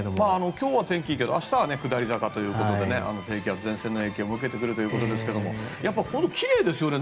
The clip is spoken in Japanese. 今日は天気がいいけど明日は下り坂ということで低気圧、前線の影響も受けてくるということですけどなんか奇麗ですよね。